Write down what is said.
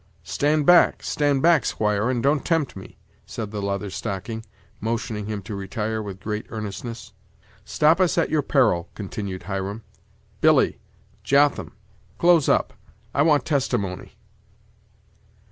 "Stand back, stand back, squire, and don't tempt me," said the Leather Stocking, motioning him to retire, with great earnestness. "Stop us at your peril," continued Hiram. "Billy! Jotham! close up I want testimony."